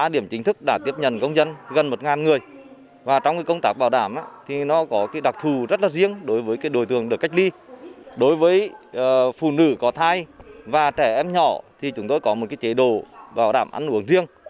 đối với phụ nữ có thai và trẻ em nhỏ thì chúng tôi có một chế độ bảo đảm ăn uống riêng